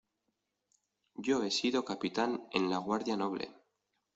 yo he sido capitán en la Guardia Noble.